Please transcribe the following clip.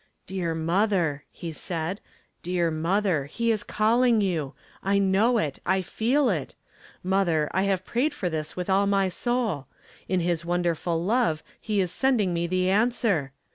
"Dear mother," he said, "dear mother, he is calling you ! I know it ! I feel it ! Mother, I have prayed for this with all my soul. In his wonder ful love he is sending me the answer.